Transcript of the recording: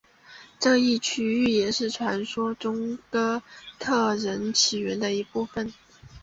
这一区域也是传说中哥特人起源的一部分。